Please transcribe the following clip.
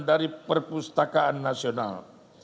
dari perpustakaan nasional